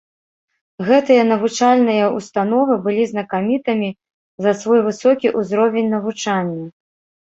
Гэтыя навучальныя ўстановы былі знакамітымі за свой высокі ўзровень навучання.